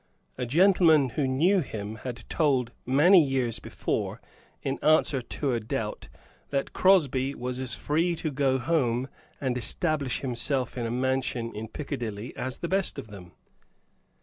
A gentleman who knew him had told, many years before, in answer to a doubt, that Crosby was as free to go home and establish himself in a mansion in Piccadilly as the best of them.